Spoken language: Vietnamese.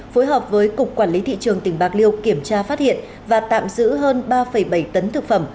phối hợp với cục quản lý thị trường tỉnh bạc liêu kiểm tra phát hiện và tạm giữ hơn ba bảy tấn thực phẩm